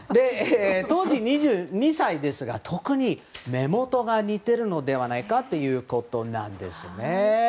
当時、２２歳ですが特に、目元が似てるのではないかということなんですね。